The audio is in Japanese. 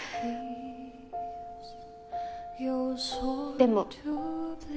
でも。